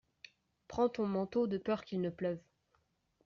Prends ton manteau de peur qu’il ne pleuve.